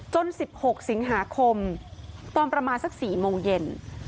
๑๖สิงหาคมตอนประมาณสัก๔โมงเย็น